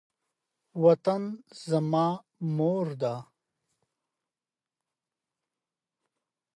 بامیان د افغانستان د ملي اقتصاد یوه خورا ګټوره برخه ده.